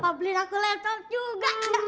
papa beli aku laptop juga